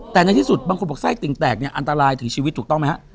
แต่ในที่สุดบางคนบอกไส้ติ่งแตกเนี่ยอันตรายถึงชีวิตถูกต้องไหมฮะ